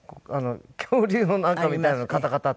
恐竜のなんかみたいなカタカタっていう。